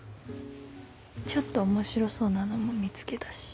ちょっと面白そうなのも見つけたし。